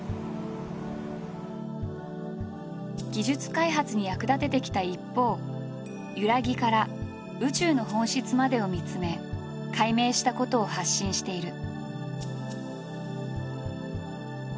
技術開発に役立ててきた一方「ゆらぎ」から宇宙の本質までを見つめ解明したことを発信している。